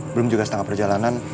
belum juga setengah perjalanan